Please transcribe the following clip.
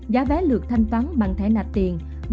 giá vé lượt thanh toán bằng thẻ nạp tiền